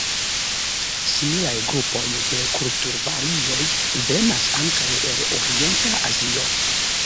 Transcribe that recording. Similaj grupoj de kulturvarioj venas ankaŭ el orienta Azio.